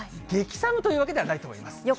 激寒というわけではないと思います。